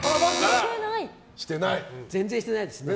全然してないですね。